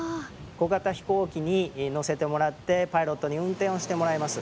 小型飛行機に乗せてもらってパイロットに運転をしてもらいます。